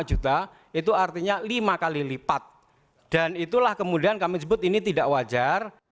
dua lima juta itu artinya lima kali lipat dan itulah kemudian kami sebut ini tidak wajar